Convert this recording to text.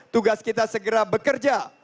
tugas kita segera bekerja